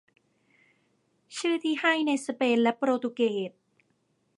ชื่อที่ให้ในสเปนและโปรตุเกส